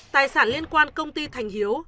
tài sản liên quan công ty thành hiếu